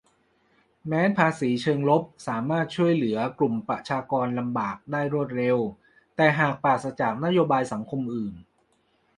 - แม้ภาษีเชิงลบสามารถช่วยเหลือกลุ่มประชากรลำบากได้รวดเร็ว แต่หากปราศจากนโยบายสังคมอื่น